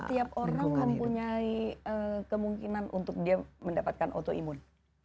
setiap orang mempunyai kemungkinan untuk dia mendapatkan autoimun